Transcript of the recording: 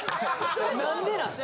何でなん？